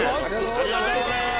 ありがとうございます。